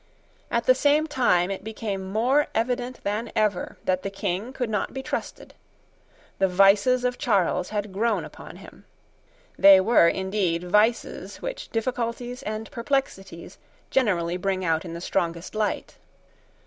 At the same time it became more evident than ever that the King could not be trusted. The vices of Charles had grown upon him. They were, indeed, vices which difficulties and perplexities generally bring out in the strongest light.